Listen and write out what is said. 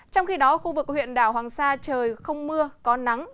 trong khi đó khu vực huyện đảo hoàng sa trời không mưa có nắng